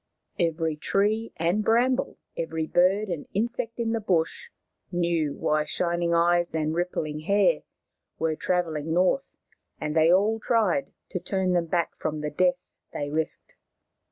Every tree and bramble, every bird and insect in the bush, knew why Shining Eyes and Rippling Hair were trav elling north, and they all tried to turn them back from the death they risked.